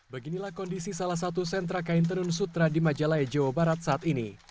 beginilah kondisi salah satu sentra kain tenun sutra di majalaya jawa barat saat ini